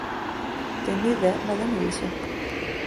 την είδε, μα δε μίλησε.